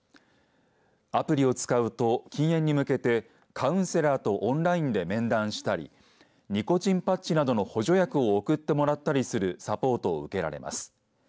アプリを使うと禁煙に向けてカウンセラーとオンラインで面談したりニコチンパッチなどの補助薬を送ってもらったりするサポートを受けられます。